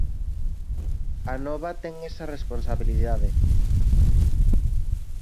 Anova ten esa responsabilidade.